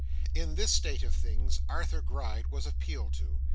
In this state of things, Arthur Gride was appealed to.